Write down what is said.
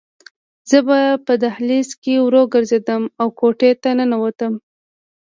زه په دهلیز کې ورو ګرځېدم او کوټې ته ننوتم